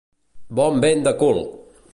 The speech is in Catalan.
Bon vent de cul!